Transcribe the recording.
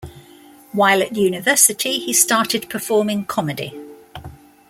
While at university, he started performing comedy.